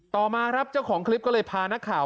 ต่อมาครับเจ้าของคลิปก็เลยพานักข่าว